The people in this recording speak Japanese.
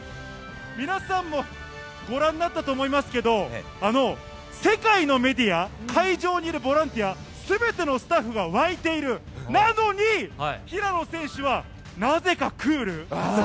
皆さんもご覧になったと思いますけど、あの世界のメディア、会場にいるボランティア、すべてのスタッフが沸いている、なのに、平野選手はなぜかクール。